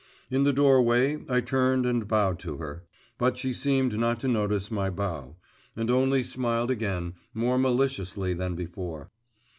In the doorway, I turned and bowed to her. But she seemed not to notice my bow, and only smiled again, more maliciously than before.